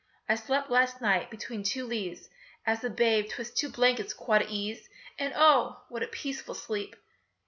I slept last night between two leaves As a babe 'twixt two blankets quite at ease, And oh! what a peaceful sleep!